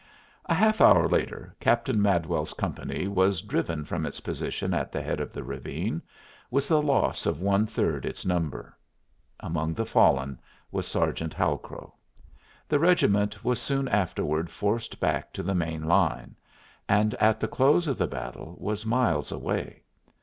A half hour later Captain Madwell's company was driven from its position at the head of the ravine, with a loss of one third its number. Among the fallen was Sergeant Halcrow. The regiment was soon afterward forced back to the main line, and at the close of the battle was miles away.